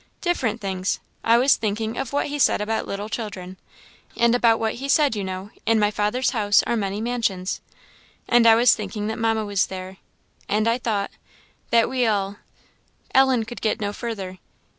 "Different things; I was thinking of what he said about little children; and about what he said, you know 'In my Father's house are many mansions;' and I was thinking that Mamma was there: and I thought that we all " Ellen could get no further.